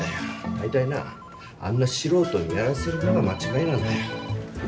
だいたいなあんな素人にやらせるのが間違いなんだよ。